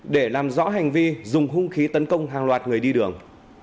để làm rõ hành vi dùng hung khí tấn công hàng loạt người đi đường